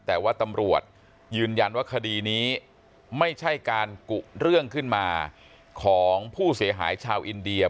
แต่ว่าตำรวจยืนยันว่าคดีนี้ไม่ใช่การกุเรื่องขึ้นมาของผู้เสียหายชาวอินเดีย